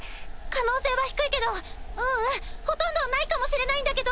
可能性は低いけどううんほとんどないかもしれないんだけど。